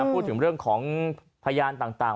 พูดถึงเรื่องของพยานต่าง